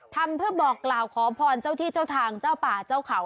ทำเพื่อบอกกล่าวขอพรเจ้าที่เจ้าทางเจ้าป่าเจ้าเขา